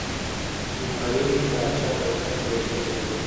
د ماري پاچا زرګونه لوحې لرلې.